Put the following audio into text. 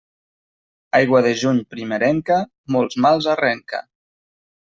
Aigua de juny primerenca, molts mals arrenca.